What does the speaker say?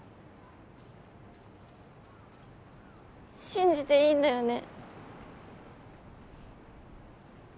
信じていいんだよね？